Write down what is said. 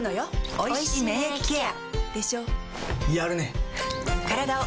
おいしい免疫ケア